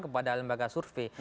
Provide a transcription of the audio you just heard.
kepada lembaga survei